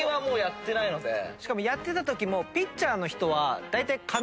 しかもやってたときも。